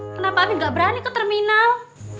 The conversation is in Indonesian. kenapa amin gak berani ke terminal